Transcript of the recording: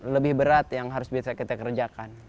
lebih berat yang harus bisa kita kerjakan